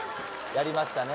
やりましたね